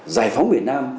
giải phóng việt nam